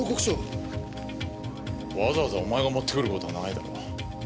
わざわざお前が持ってくることはないだろ。